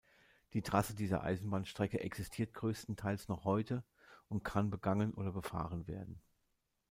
Die Trasse dieser Eisenbahnstrecke existiert größtenteils noch heute und kann begangen oder befahren werden.